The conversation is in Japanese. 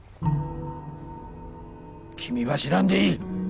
君は知らんでいい！